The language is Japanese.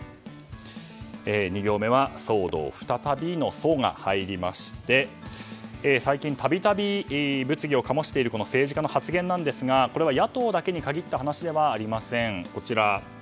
２行目は騒動再び？の「ソ」が入りまして最近たびたび物議を醸している政治家の発言なんですがこれは野党だけに限った話ではありません。